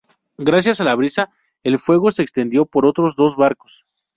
Gracias a la brisa el fuego se extendió por otros dos barcos.